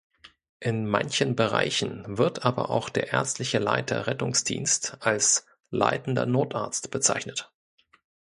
In manchen Bereichen wird aber auch der Ärztliche Leiter Rettungsdienst als Leitender Notarzt bezeichnet.